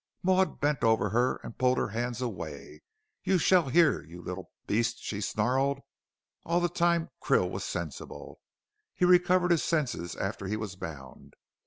Maud bent over her and pulled her hands away. "You shall hear you little beast," she snarled. "All the time Krill was sensible. He recovered his senses after he was bound.